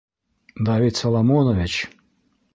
Давид Соломонович!